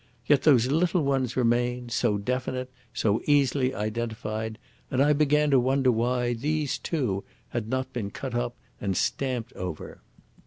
Yet those little ones remained so definite, so easily identified, and I began to wonder why these, too, had not been cut up and stamped over.